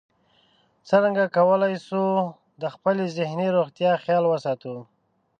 څرنګه کولی شو د خپلې ذهني روغتیا خیال وساتو